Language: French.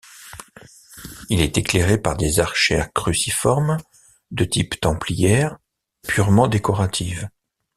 Il est éclairé par des archères cruciformes de type templières, purement décoratives.